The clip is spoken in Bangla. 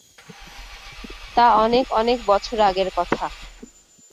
তা অনেক অনেক বছর আগের কথা।